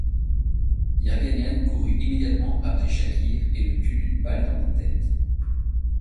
Yerganian courut immédiatement après Chakir et le tue d'une balle dans la tête.